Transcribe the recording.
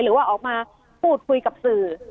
หรือว่าออกมาพูดคุยกับสื่อ